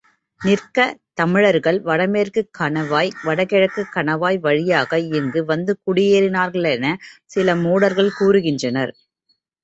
நிற்க, தமிழர்கள் வடமேற்குக் கணவாய், வடகிழக்குக் கணவாய் வழியாக இங்கு வந்து குடியேறினார்களெனச் சில மூடர்கள் கூறுகின்றனர்.